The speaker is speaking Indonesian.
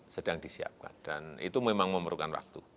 sedang disiapkan dan itu memang memerlukan waktu